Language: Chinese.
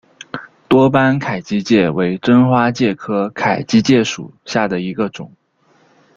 多斑凯基介为真花介科凯基介属下的一个种。